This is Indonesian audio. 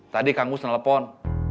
tadi kang gus telepon